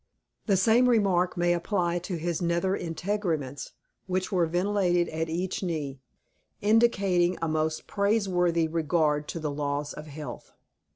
The same remark may apply to his nether integuments, which were ventilated at each knee, indicating a most praiseworthy regard to the laws of health.